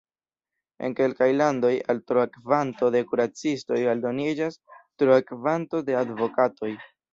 En kelkaj landoj, al troa kvanto de kuracistoj aldoniĝas troa kvanto de advokatoj.